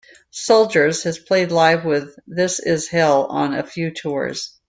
Soldiers has played live with This Is Hell on a few tours.